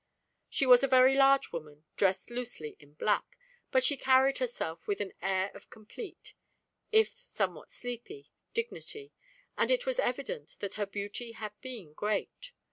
She was a very large woman dressed loosely in black, but she carried herself with an air of complete, if somewhat sleepy, dignity, and it was evident that her beauty had been great.